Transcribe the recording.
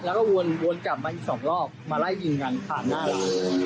แล้วก็วนกลับมาอีกสองรอบมาไล่ยิงกันผ่านหน้าร้าน